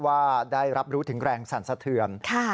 ว่าได้รับรู้ถึงแรงสั่นสะเทือน